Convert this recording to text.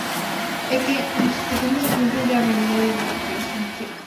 É que nos esquecemos ás veces da realidade do que iso significa.